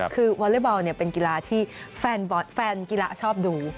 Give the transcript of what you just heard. คือวอเล็กบอลเป็นกีฬาที่แฟนกีฬาชอบดู